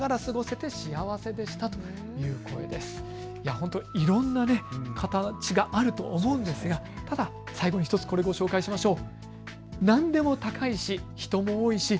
本当にいろんな形があると思うんですが、ただ最後に１つ、これをご紹介しましょう。